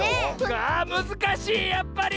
あむずかしいやっぱり！